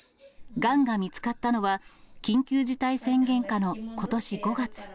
がんが見つかったのは、緊急事態宣言下のことし５月。